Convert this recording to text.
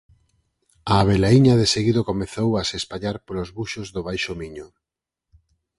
A avelaíña deseguido comezou a se espallar polos buxos do Baixo Miño.